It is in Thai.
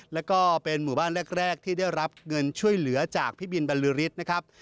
แล้วก็เป็นหมู่บ้านแรกที่ได้รับเงินช่วยเหลือจากพี่บินบรรลือฤทธิ์นะครับ